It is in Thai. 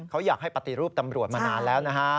เขาอยากให้ปฏิรูปตำรวจมานานแล้วนะฮะ